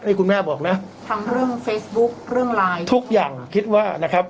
คุณแม่บอกนะทั้งเรื่องเฟซบุ๊คเรื่องไลน์ทุกอย่างคิดว่านะครับ